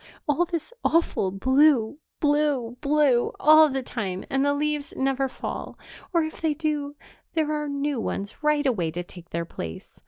All this awful blue, blue, blue, all the time, and the leaves never fall, or, if they do, there are new ones right away to take their place.